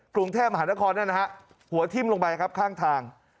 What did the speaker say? กรุงเทพมหานครนั่นนะฮะหัวทิ้มลงไปครับข้างทาง